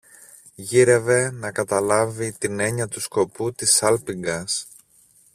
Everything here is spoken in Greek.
Γύρευε να καταλάβει την έννοια του σκοπού της σάλπιγγας